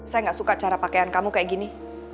saya gak suka cara pakaian kamu kayak gini